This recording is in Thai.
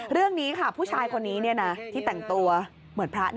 เรื่องนี้ค่ะผู้ชายคนนี้ที่แต่งตัวเหมือนพระ